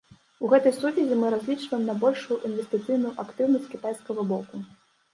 У гэтай сувязі мы разлічваем на большую інвестыцыйную актыўнасць кітайскага боку.